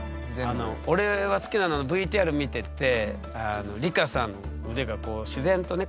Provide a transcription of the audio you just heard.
俺が好きなのはＶＴＲ見てて梨花さん腕が自然とね